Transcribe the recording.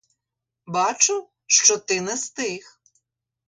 Бачу, що ти не з тих.